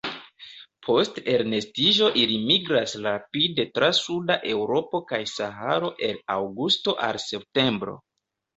Post elnestiĝo ili migras rapide tra suda Eŭropo kaj Saharo el aŭgusto al septembro.